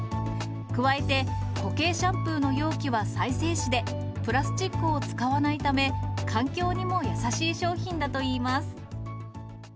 加えて、固形シャンプーの容器は再生紙で、プラスチックを使わないため、環境にも優しい商品だといいます。